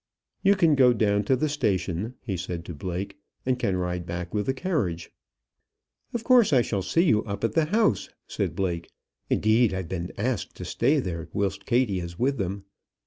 "You can go down to the station," he said to Blake, "and can ride back with the carriage." "Of course I shall see you up at the house," said Blake. "Indeed I've been asked to stay there whilst Kattie is with them.